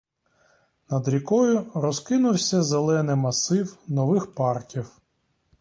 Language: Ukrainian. Над рікою розкинувся зелений масив нових парків.